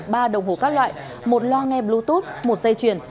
bluetooth một dây chuyền